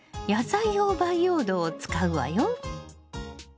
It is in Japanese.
野菜用培養土を使うわよ。